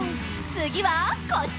つぎはこっち！